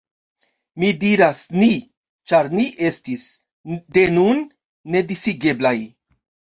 Mi diras «ni», ĉar ni estis, de nun, nedisigeblaj.